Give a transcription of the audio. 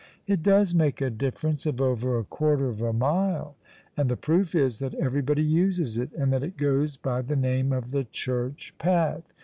" It does make a difference of over a quarter of a mile — and the proof is that everybody uses it, and that it goes by the name of the Church path.